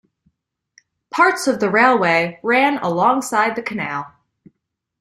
Parts of the railway ran alongside the canal.